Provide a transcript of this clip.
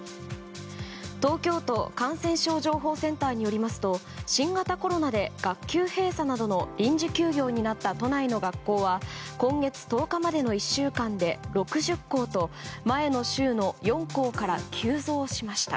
東京都感染症情報センターによりますと新型コロナで学級閉鎖などの臨時休業になった都内の学校は今月１０日までの１週間で６０校と前の週の４校から急増しました。